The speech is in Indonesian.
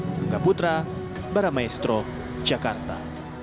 bunga putra baramaestro jakarta